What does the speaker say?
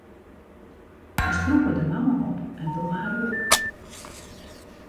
Se strûpe de mouwen op en dogge har wurk.